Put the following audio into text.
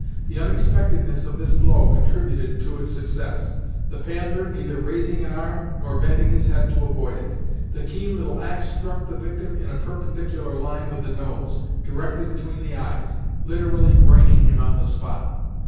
The unexpectedness of this blow contributed to its success, the Panther neither raising an arm, nor bending his head to avoid it. The keen little axe struck the victim in a perpendicular line with the nose, directly between the eyes, literally braining him on the spot.